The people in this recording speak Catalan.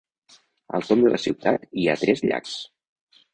Al tomb de la ciutat hi ha tres llacs.